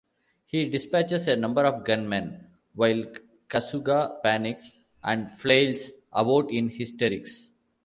He dispatches a number of gunmen while Kasuga panics and flails about in hysterics.